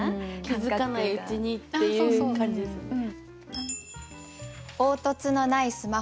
気付かないうちにっていう感じですよね。